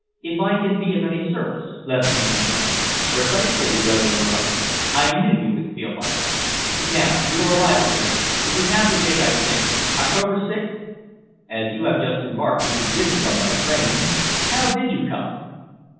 "If I can be of any service," Lessingham murmured. "Precisely," the other interrupted. "I knew you would feel like that. Now your arrival here we have the date, I think October 6th. As you have just remarked, you didn't come by train. How did you come?"